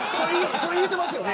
それ、言うてますよね。